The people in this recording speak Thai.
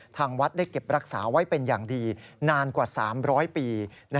ทางวัดได้เก็บรักษาไว้เป็นอย่างดีนานกว่า๓๐๐ปี